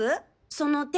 その手。